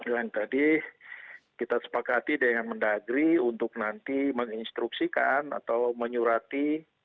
dan tadi kita sepakati dengan mendagri untuk nanti menginstruksikan atau menyurati